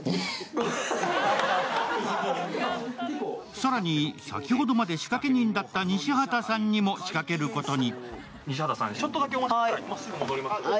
更に、先ほどまで仕掛け人だった西畑さんにも仕掛けることに。